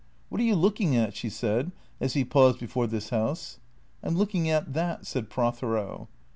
" What are you looking at ?" she said, as he paused before this house. " I 'm looking at that," said Prothero.